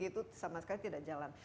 itu sama sekali tidak jalan